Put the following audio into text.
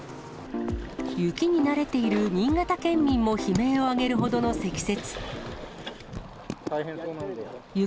雪に慣れている新潟県民も悲鳴を上げるほどの積雪。